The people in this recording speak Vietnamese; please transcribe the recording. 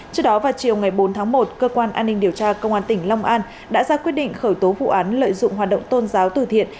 trước đó vào chiều ngày bốn tháng một cơ quan an ninh điều tra công an tỉnh long an đã ra quyết định khởi tố vụ án lợi dụng hoạt động tôn giáo từ thiện